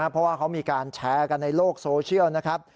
เพราะว่าเขามีการแชร์กันในโลกโซเชียลนะครับ